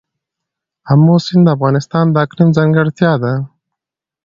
آمو سیند د افغانستان د اقلیم ځانګړتیا ده.